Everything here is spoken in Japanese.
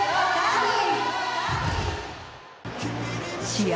試合